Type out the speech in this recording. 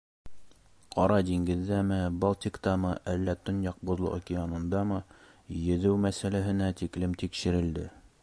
Ҡара диңгеҙҙәме, Балтиктамы, әллә Төньяҡ Боҙло океанындамы йөҙөү мәсьәләһенә тиклем тикшерелде.